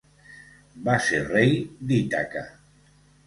Va ser rei d'Ítaca.